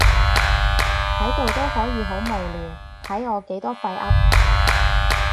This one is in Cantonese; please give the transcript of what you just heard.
喺度都可以好無聊，睇我幾多廢噏